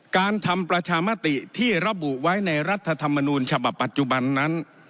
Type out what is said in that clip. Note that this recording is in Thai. การทำประชามติที่ระบุไว้ในรัฐธรรมนูญฉบับปัจจุบันนั้น